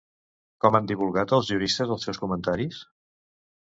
Com han divulgat els juristes els seus comentaris?